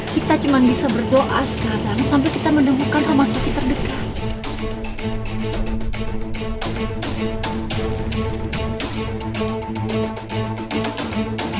kita cuma bisa berdoa sekarang sampai kita menemukan rumah sakit terdekat